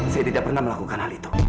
saya tidak pernah melakukan hal itu